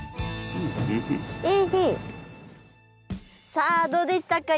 さあどうでしたか？